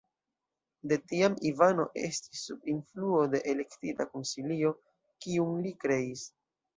De tiam Ivano estis sub influo de "Elektita Konsilio", kiun li kreis.